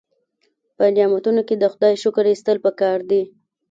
په نعمتونو کې د خدای شکر ایستل پکار دي.